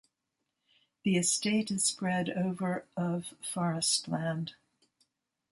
The estate is spread over of forestland.